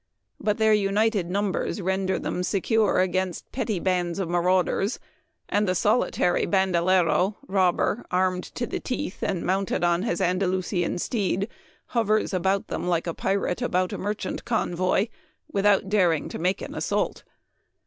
But their united numbers render them secure against petty bands of ma rauders, and the solitary bandalero, (robber,) armed to the teeth, and mounted on his Anda lusian steed, hovers about them like a pirate 14 2io Memoir of Washington Irving. about a merchant convoy, without daring to make an assault.